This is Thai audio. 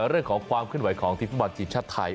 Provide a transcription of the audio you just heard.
เรื่องของความขึ้นไหวของทีมภาพบัตรจิงชาติไทย